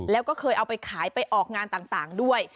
แล้วก็เคยเอาไปขายไปออกงานต่างด้วย